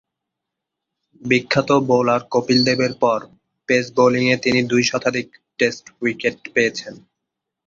বিখ্যাত বোলার কপিল দেবের পর পেস বোলিংয়ে তিনি দুই শতাধিক টেস্ট উইকেট পেয়েছেন।